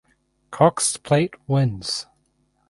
Cox Plate wins.